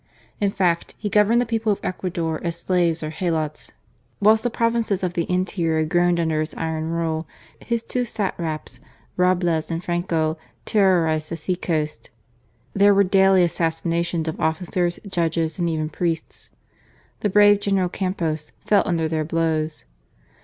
In fact, he governed the people of Ecuador as slaves or helots. Whilst the provinces of the 64 GARCIA MORENO, interior groaned under his iron rule, his two satraps, Roblez and Franco, terrorized the sea coast. There were daily assassinations of officers, judges, and even priests. The brave General Campos fell under their blows.